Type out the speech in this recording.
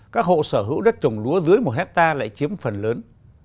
các hộ sở hữu đất trồng lúa dưới một hectare lại chiếm phần lớn